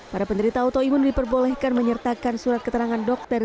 para penderita autoimun diperbolehkan menyertakan surat keterangan dokter